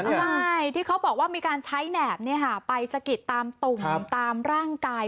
ใช่ที่เขาบอกว่ามีการใช้แหนบไปสะกิดตามตุ่มตามร่างกาย